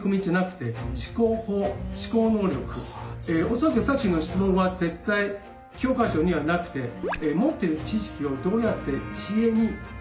恐らくさっきの質問は絶対教科書にはなくて持ってる知識をどうやって知恵に変えるかが重要です。